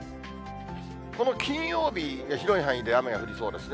この金曜日、広い範囲で雨が降りそうですね。